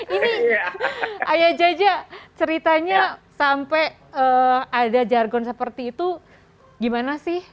ini ayah jaja ceritanya sampai ada jargon seperti itu gimana sih